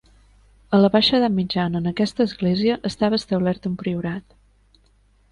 A la baixa edat mitjana en aquesta església estava establert un priorat.